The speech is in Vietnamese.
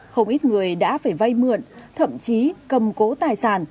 không ít người đã phải vay mượn thậm chí cầm cố tài sản